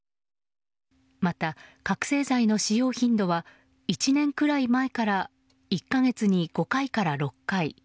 また、覚醒剤の使用頻度は１年くらい前から１か月に５回から６回。